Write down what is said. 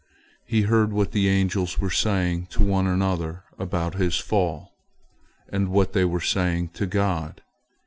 He heard what the angels were saying to one another about his fall, and what they were saying to God.